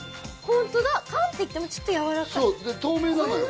ホントだ缶っていってもちょっとやわらかいで透明なのよ